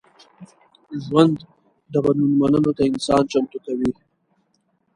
ژوند د بدلون منلو ته انسان چمتو کوي.